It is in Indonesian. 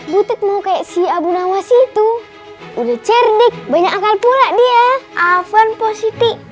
butik mau kayak si abu nawas itu udah cerdik banyak akal pula dia aven positif